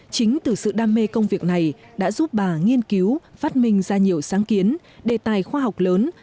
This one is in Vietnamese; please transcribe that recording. chính từ sự đam mê công việc này đã giúp bà nghiên cứu phát minh ra nhiều sáng kiến đề tài khoa học lớn